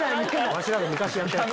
わしらが昔やったやつ。